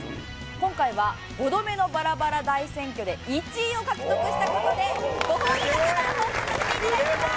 今回は５度目のバラバラ大選挙で１位を獲得した事でご褒美特番放送させていただいてます！